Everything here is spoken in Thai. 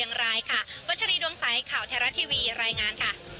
นิวส์ค่ะ